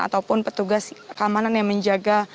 ataupun petugas keamanan yang menjaga